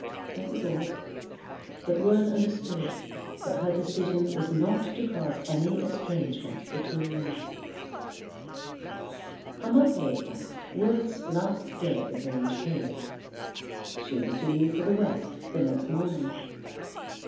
That was all, but Worth understood that her decision was not to cause any estrangement between them. A month later Worth's last day at the Grange came. She was to leave for the West the next morning.